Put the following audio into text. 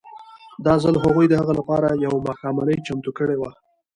دا ځل هغوی د هغه لپاره یوه ماښامنۍ چمتو کړې وه